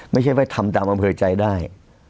ไม่ใช่ว่าทำตามอำเภอใจได้